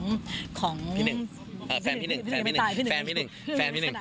พี่หนึ่งแฟนพี่หนึ่งแฟนพี่หนึ่ง